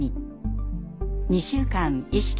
２週間意識